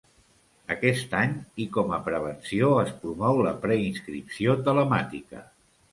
Aquest any, i com a prevenció, es promou la preinscripció telemàtica.